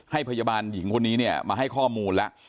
พยาบาลหญิงคนนี้เนี่ยมาให้ข้อมูลแล้ว